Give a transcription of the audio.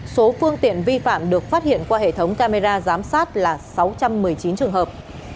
số phương tiện vi phạm được phát hiện qua hệ thống camera giám sát là sáu trăm một mươi chín trường hợp